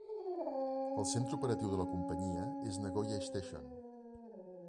El centre operatiu de la companyia és Nagoya Station.